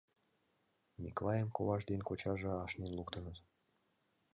Миклайым коваж ден кочаже ашнен луктыныт.